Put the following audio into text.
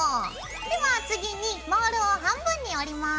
では次にモールを半分に折ります。